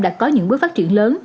đã có những bước phát triển lớn